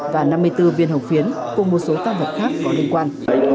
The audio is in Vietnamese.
và năm mươi bốn viên hổng phiến cùng một số cao vật khác có liên quan